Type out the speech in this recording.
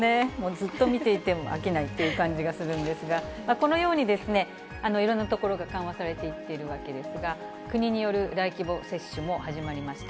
ずっと見ていても飽きないという感じがするんですが、このようにいろんな所が緩和されていってるわけですが、国による大規模接種も始まりました。